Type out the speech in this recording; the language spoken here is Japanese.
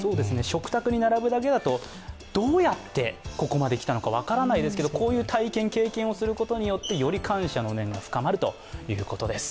食卓に並ぶだけだとどうやってここまで来たのか分からないですけれども、こういう体験、経験をすることによってより感謝の念が深まるということです。